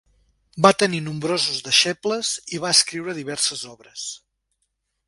Va tenir nombrosos deixebles i va escriure diverses obres.